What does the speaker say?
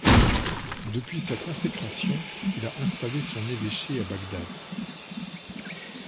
Depuis sa consécration, il a installé son évêché à Bagdad.